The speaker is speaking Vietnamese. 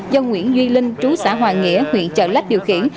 do nguyễn duy linh chú xã hòa nghĩa huyện chợ lách điều khiển